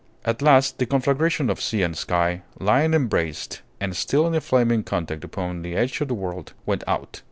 At last the conflagration of sea and sky, lying embraced and still in a flaming contact upon the edge of the world, went out.